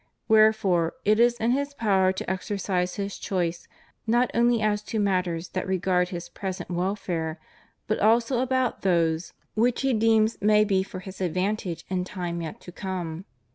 Wherefore it is in his power to exercise his choice not only as to matters that regard his present welfare, but also about those which he 212 CONDITION OF THE WORKING CLASSES. deems may be for his advantage in time yet to come.